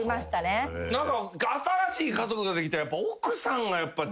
新しい家族ができたら。